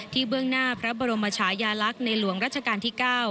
เบื้องหน้าพระบรมชายาลักษณ์ในหลวงรัชกาลที่๙